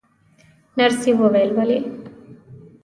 نرسې وویل: ولې؟